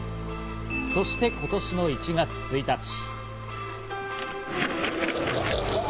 そして、今年の１月１日。